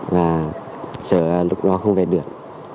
và sợ lúc đó không về được